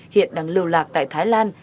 hiện đang lưu lạc tại thái lan